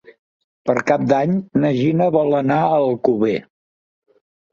Per Cap d'Any na Gina vol anar a Alcover.